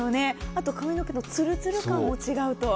あと、髪の毛のツルツル感も違うと。